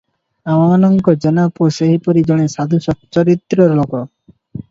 ଆମମାନଙ୍କ ଜେନାପୁଅ ସେହିପରି ଜଣେ ସାଧୁ ସଚ୍ଚରିତ୍ର ଲୋକ ।